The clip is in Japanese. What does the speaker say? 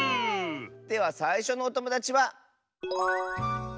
ではさいしょのおともだちは。